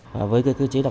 với cái cư trí đó